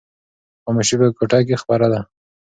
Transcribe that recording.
خاموشي په کوټه کې خپره ده.